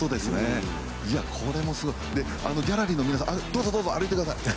これもすごい、ギャラリーの皆さんどうぞどうぞ歩いてください